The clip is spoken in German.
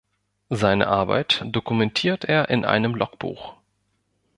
Seine Arbeit dokumentiert er in einem Logbuch.